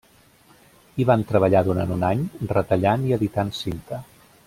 Hi van treballar durant un any, retallant i editant cinta.